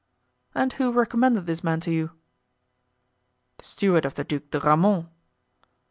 "And who recommended this man to you?" "The steward of the Duc de Grammont."